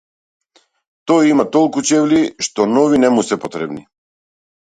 Тој има толку чевли што нови не му се потребни.